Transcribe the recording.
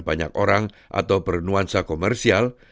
banyak orang atau bernuansa komersial